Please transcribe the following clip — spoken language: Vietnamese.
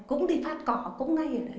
cũng đi phát cọ cũng ngay ở đấy